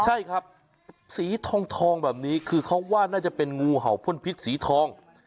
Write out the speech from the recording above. ใช่ครับสีทองแบบนี้คือเขาว่าน่าจะเป็นงูเห่าพ่นพิษสีทอง